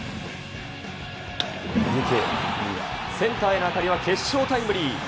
センターへの当たりは決勝タイムリー。